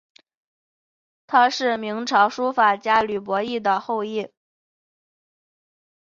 她是明朝书法家吕伯懿后裔。